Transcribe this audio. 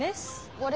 これ。